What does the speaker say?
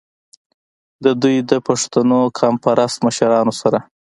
د دوي د پښتنو قام پرست مشرانو سره